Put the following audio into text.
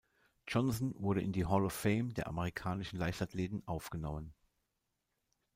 Johnson wurde in die Hall of Fame der amerikanischen Leichtathleten aufgenommen.